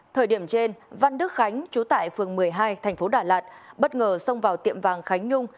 thời điểm trên văn đức khánh chú tại phường một mươi hai thành phố đà lạt bất ngờ xông vào tiệm vàng khánh nhung